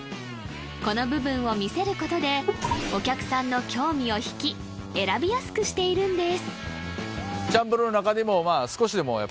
この部分を見せることでお客さんの興味を引き選びやすくしているんです